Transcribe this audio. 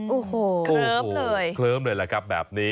โอ้โหเคลิ้มเลยแบบนี้โอ้โหเคลิ้มเลยแหละครับ